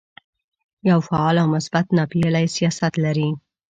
یو فعال او مثبت ناپېیلی سیاست لري.